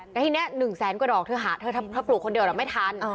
ในที่นี้หนึ่งแสนกว่าดอกเธอหาเธอถ้าปลูกคนเดียวแล้วไม่ทัน